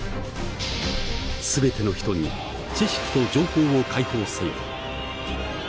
全ての人に知識と情報を解放せよ。